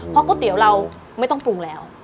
เพราะก๋วยเตี๋ยวเราไม่ต้องปรุงแล้ว